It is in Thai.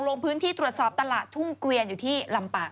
ลงพื้นที่ตรวจสอบตลาดทุ่งเกวียนอยู่ที่ลำปาง